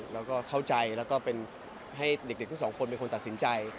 แล้วก็เข้าใจแล้วก็เป็นให้เด็กทั้งสองคนเป็นคนตัดสินใจ